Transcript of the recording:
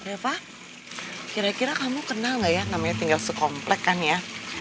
eva kira kira kamu kenal gak ya namanya tinggal sekomplek kan ya